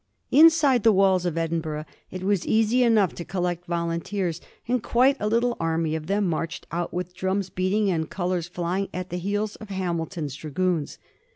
Inside the walls of Edinburgh it was easy enough to collect volunteers, and quite a little army of them marched out with drums beating and colors flying at the heels of Hamilton's Dragoons.